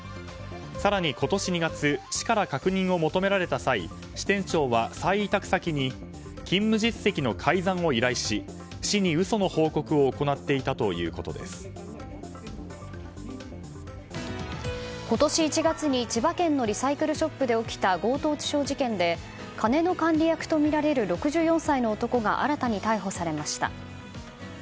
更に今年２月市から確認を求められた際支店長は再委託先に勤務実績の改ざんを依頼し市に嘘の報告を今年１月に千葉県のリサイクルショップで起きた強盗致傷事件で金の管理役とみられる６４歳の男が新たに逮捕されました。